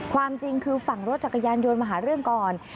ความจริงคือฝั่งรถจักรยานยนต์มาหาเรื่องก่อน